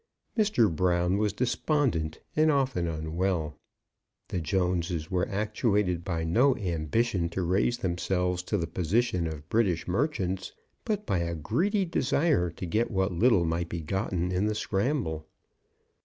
Mr. Brown was despondent, and often unwell. The Jones's were actuated by no ambition to raise themselves to the position of British merchants, but by a greedy desire to get what little might be gotten in the scramble.